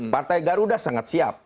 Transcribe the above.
partai garuda sangat siap